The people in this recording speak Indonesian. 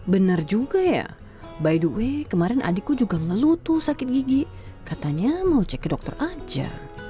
benar juga ya by the way kemarin adikku juga ngelutu sakit gigi katanya mau cek ke dokter aja